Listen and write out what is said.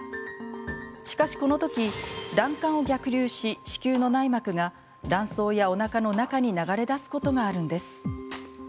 しかし、このとき卵管を逆流し子宮の内膜が卵巣やおなかの中に流れ出すことがあるんです。